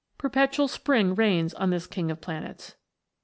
Perpetual spring reigns on this King of Planets.